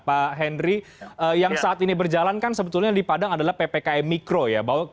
pak hendry yang saat ini berjalankan sebetulnya di padang adalah ppkm mikro ya